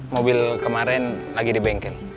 mobil kemarin lagi di bengkel